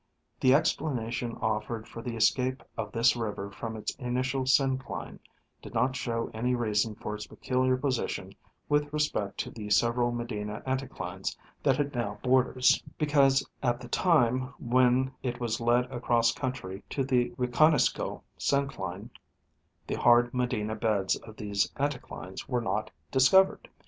The explanation offered for the escape of this river from its initial syncline did not show any reason for its peculiar position with respect to the several Medina anticlines that it now borders, because at the time when it was led across country to the Wiconisco syncline, the hard Medina beds of these anticlines were not discovered.